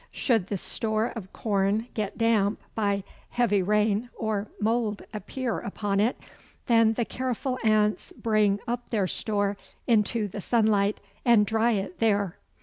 Should the store of corn get damp by heavy rain, or mould appear upon it, then the careful ants bring up their store into the sunlight and dry it there.